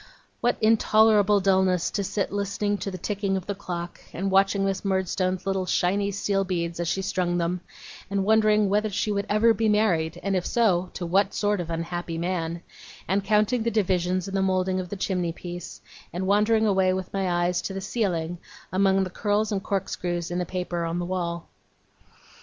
What intolerable dulness to sit listening to the ticking of the clock; and watching Miss Murdstone's little shiny steel beads as she strung them; and wondering whether she would ever be married, and if so, to what sort of unhappy man; and counting the divisions in the moulding of the chimney piece; and wandering away, with my eyes, to the ceiling, among the curls and corkscrews in the paper on the wall!